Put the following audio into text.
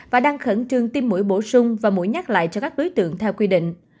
và đang khẩn trương tiêm mũi bổ sung và mũi nhắc lại cho các đối tượng theo quy định